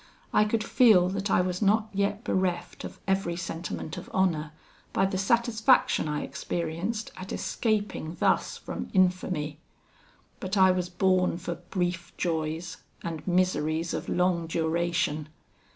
I could feel that I was not yet bereft of every sentiment of honour, by the satisfaction I experienced at escaping thus from infamy. But I was born for brief joys, and miseries of long duration.